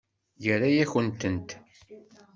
Yerra-yakent-tent.